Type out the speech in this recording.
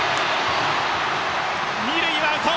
二塁はアウト。